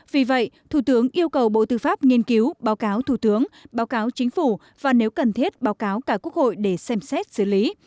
vì vậy thủ tướng yêu cầu bộ tư pháp nghiên cứu báo cáo thủ tướng báo cáo chính phủ và nếu cần thiết báo cáo cả quốc hội để xem xét xử lý